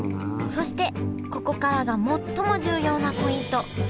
そしてここからが最も重要なポイント。